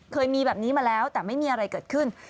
เคยมีแบบนี้มาแล้วแต่ไม่มีอะไรเกิดขึ้น